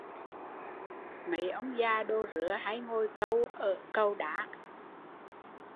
Mấy ông già đồ rứa hay ngồi câu ở cầu Đá